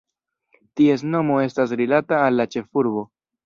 Ties nomo estas rilata al la ĉefurbo.